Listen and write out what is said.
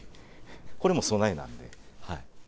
これも備えなんで。